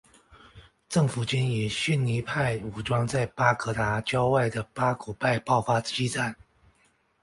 政府军与逊尼派武装在巴格达郊外的巴古拜爆发激战。